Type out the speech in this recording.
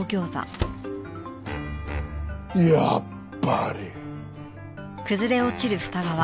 やっぱり！